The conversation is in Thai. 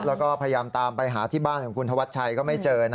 แล้วก็พยายามตามไปหาที่บ้านของคุณธวัชชัยก็ไม่เจอ